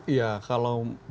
iya kalau bicara